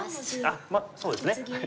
あっそうですね。